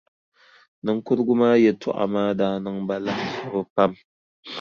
Niŋkurugu maa yɛltɔɣa maa daa niŋ ba lahaʒibu pam.